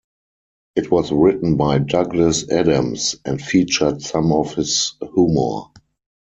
It was written by Douglas Adams, and featured some of his humour.